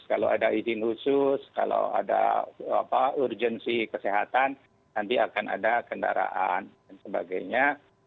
kalau ada izin khusus kalau ada urgensi kesehatan nanti akan ada kendaraan dan sebagainya